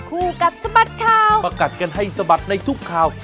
กับสบัดข่าวประกัดกันให้สะบัดในทุกข่าว